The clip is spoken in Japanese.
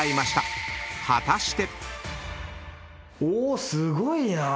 ［果たして］